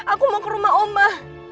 aku mau ke rumah omba